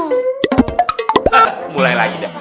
mulai lagi ustadz